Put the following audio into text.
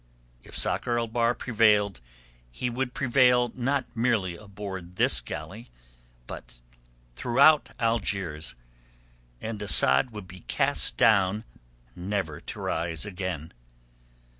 If Sakr el Bahr prevailed, he would prevail not merely aboard this galley, but throughout Algiers, and Asad would be cast down never to rise again.